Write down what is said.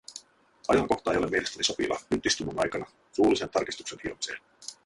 Ajankohta ei ole mielestäni sopiva, nyt istunnon aikana, suullisen tarkistuksen hiomiseen.